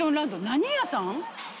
何屋さん？